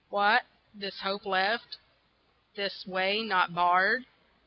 What this hope left? this way not barred?